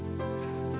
aku berangkat ya